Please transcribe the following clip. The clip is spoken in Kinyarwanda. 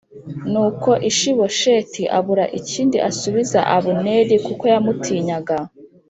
Nuko Ishibosheti abura ikindi asubiza Abuneri kuko yamutinyaga.